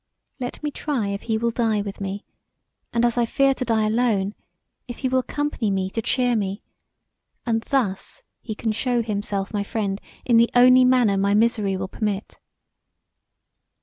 Let me try if he will die with me; and as I fear to die alone, if he will accompany [me] to cheer me, and thus he can shew himself my friend in the only manner my misery will permit.